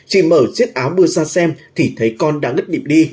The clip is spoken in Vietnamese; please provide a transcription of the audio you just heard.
chị mở chiếc áo bưa ra xem thì thấy con đã ngất điệp đi